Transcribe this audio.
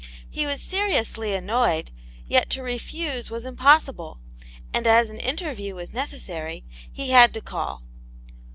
He was seriously annoyed, yet to refuse was impossible, and as an interview was necessary, he had to call.